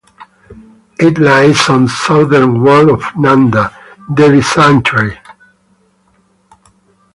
It lies on southern wall of Nanda devi sanctuary.